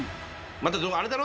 またあれだろ？